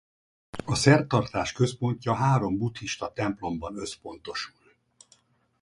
A szertartás központja három buddhista templomban összpontosul.